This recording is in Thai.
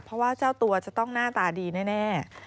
เพราะว่าเจ้าตัวจะต้องหน้าตาดีแน่